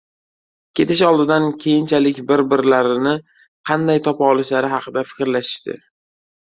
Ketish oldidan keyinchalik bir-birlarini qanday topa olishlari haqida fikrlashishdi.